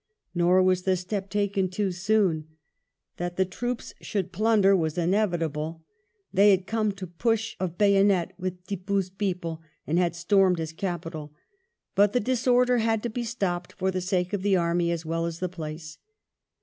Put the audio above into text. Nor was the step taken too soon. That the troops should plunder was inevitable ; they had come to push of bayonet with Tippoo's people and had stormed his capital. But the disorder had to be stopped for the sake of the army as well as the place.